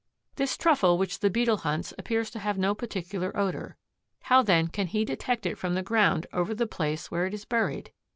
This truffle which the Beetle hunts appears to have no particular odor. How, then, can he detect it from the ground over the place where it is buried?